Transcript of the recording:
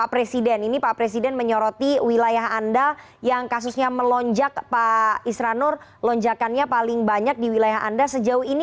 pak presiden ini pak presiden menyoroti wilayah anda yang kasusnya melonjak pak isranur lonjakannya paling banyak di wilayah anda sejauh ini